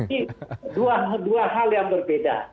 jadi dua hal yang berbeda